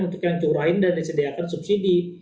untuk yang curahin dan disediakan subsidi